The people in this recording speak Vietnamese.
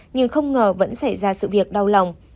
nhưng không ngờ vẫn xảy ra sự việc đau lòng